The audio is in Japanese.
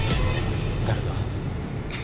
誰だ？